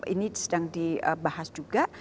ini sedang di bahas juga